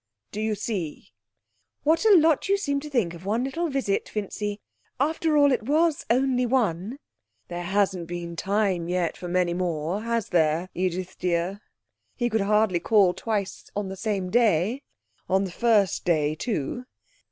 Do you see?' 'What a lot you seem to think of one little visit, Vincy! After all, it was only one.' 'There hasn't been time yet for many more, has there, Edith dear? He could hardly call twice the same day, on the first day, too....